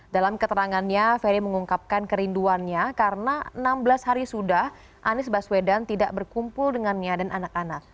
dalam keterangannya ferry mengungkapkan kerinduannya karena enam belas hari sudah anies baswedan tidak berkumpul dengannya dan anak anak